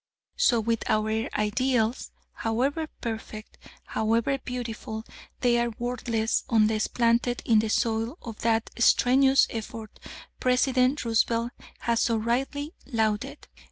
So with our ideals however perfect, however beautiful, they are worthless unless planted in the soil of that strenuous effort President Roosevelt has so rightly lauded.